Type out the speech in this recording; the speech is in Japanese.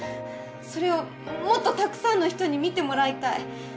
それをもっとたくさんの人に見てもらいたい。